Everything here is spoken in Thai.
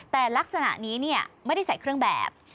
แต่ลักษณะนี้ไม่ได้ใส่เครื่องแบบ